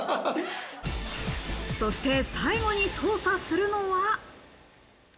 そして最後に捜査するのは。